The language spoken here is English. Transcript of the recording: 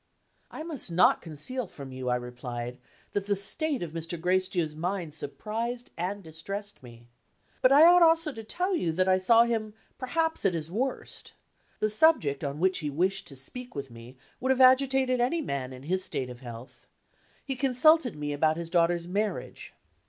"I must not conceal from you," I replied, "that the state of Mr. Gracedieu's mind surprised and distressed me. But I ought also to tell you that I saw him perhaps at his worst. The subject on which he wished to speak with me would have agitated any man, in his state of health. He consulted me about his daughter's marriage."